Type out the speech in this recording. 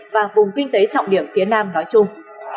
và vùng kinh tế trọng điểm phía nam nói chung